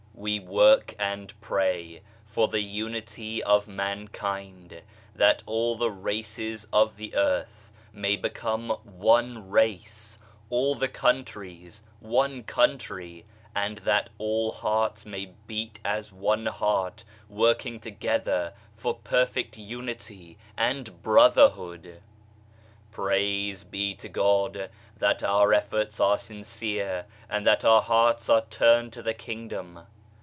We work and pray for the Unity of Mankind, that all the races of the earth may become one race, all the countries one country, and that all hearts may beat as one heart, working together for perfect Unity and Brotherhood. Praise be to God that our efforts are sincere and that our hearts are turned to the Kingdom.